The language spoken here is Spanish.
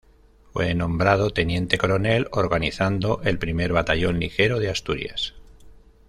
Fue nombrado teniente coronel organizando el primer batallón ligero de Asturias.